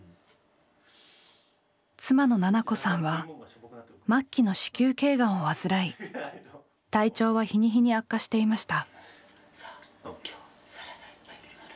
妻の奈々子さんは末期の子宮頸がんを患い体調は日に日に悪化していました。